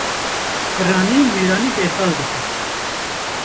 Piranî mêranî betal dike